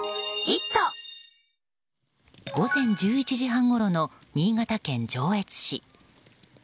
午前１１時半ごろの新潟県上越市。